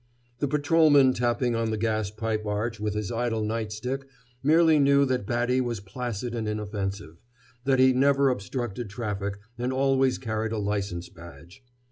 The patrolman tapping on the gas pipe arch with his idle night stick merely knew that Batty was placid and inoffensive, that he never obstructed traffic and always carried a license badge.